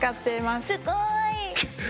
すごい。